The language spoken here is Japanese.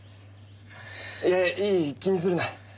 いやいい気にするな。